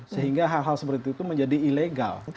sehingga hal hal seperti itu menjadi ilegal